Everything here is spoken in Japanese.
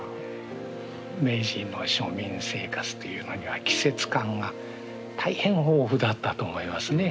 明治の庶民生活というのには季節感が大変豊富だったと思いますね。